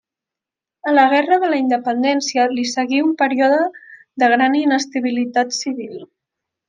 A la guerra de la Independència li seguí un període de gran inestabilitat civil.